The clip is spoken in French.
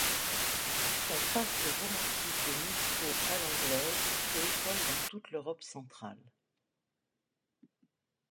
Son parc romantique de Muskau à l'anglaise fait école dans toute l'Europe centrale.